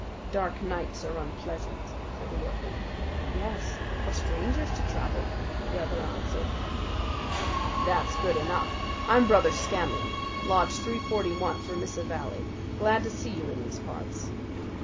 "Dark nights are unpleasant," said the workman. "Yes, for strangers to travel," the other answered. "That's good enough. I'm Brother Scanlan, Lodge 341, Vermissa Valley. Glad to see you in these parts."